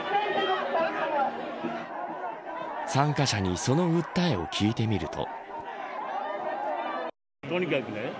参加者にその訴えを聞いてみると。